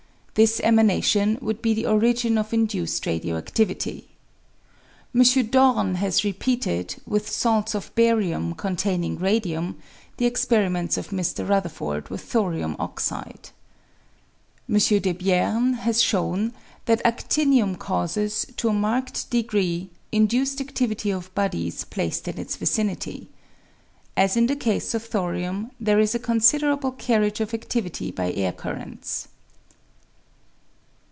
This emanation would be the origin of induced radio adivity. M. Dorn has repeated, with salts of barium containing radium, the experiments of Mr. Rutherford with thorium oxide. M. Debierne has shown that adinium causes, to_ a marked degree, induced adivity of bodies placed in its vicinity. As in the case of thorium, there is a considerable carriage of adivity by air currents.